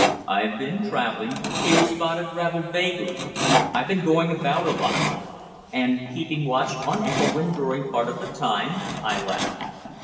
"I've been travelling," he responded rather vaguely. "I've been going about a lot." "And keeping watch on Ethelwynn during part of the time," I laughed.